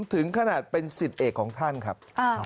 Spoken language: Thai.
ถึงขนาดเป็นสิทธิ์เอกของท่านครับ